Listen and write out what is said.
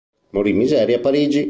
Morì in miseria a Parigi.